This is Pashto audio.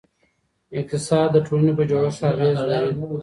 اقتصاد د ټولنې په جوړښت اغېزه لري.